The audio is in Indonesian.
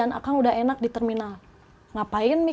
tentang apa yang kamu pengen